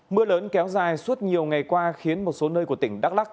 mưa lớn kéo dài suốt nhiều ngày qua khiến một số nơi của tỉnh đắk lắc